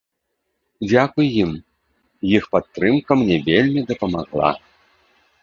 Дзякуй ім, іх падтрымка мне вельмі дапамагла.